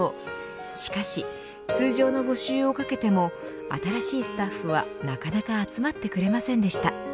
しかし、通常の募集をかけても新しいスタッフはなかなか集まってくれませんでした。